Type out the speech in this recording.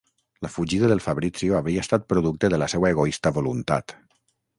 La fugida del Fabrizio havia estat producte de la seua egoista voluntat.